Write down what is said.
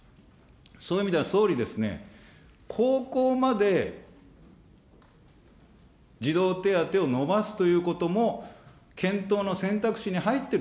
そういう意味では総理ですね、高校まで児童手当をのばすということも検討の選択肢に入っている